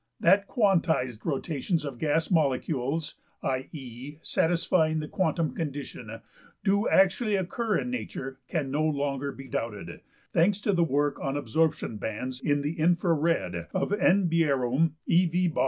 That `quantized' rotations of gas molecules (i.~e.~satisfying the quantum condition) do actually occur in nature can no longer be doubted, thanks to the work on absorption bands in the infra red of N.~Bjerrum, E.~v.